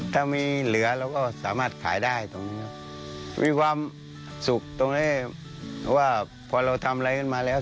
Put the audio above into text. ถ้ามีเหลือเราก็สามารถขายได้ตรงนี้ครับมีความสุขตรงนี้ว่าพอเราทำอะไรขึ้นมาแล้ว